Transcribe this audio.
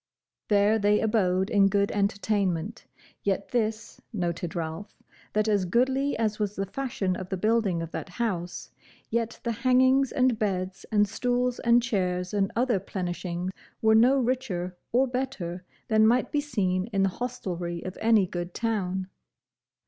There they abode in good entertainment; yet this noted Ralph, that as goodly as was the fashion of the building of that house, yet the hangings and beds, and stools, and chairs, and other plenishing were no richer or better than might be seen in the hostelry of any good town.